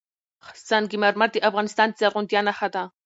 سنگ مرمر د افغانستان د زرغونتیا نښه ده.